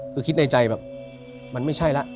คือคิดในใจแบบมันไม่ใช่แล้ว